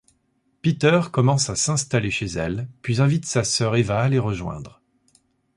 Peter commence à s'installer chez elle puis invite sa sœur Eva à les rejoindre.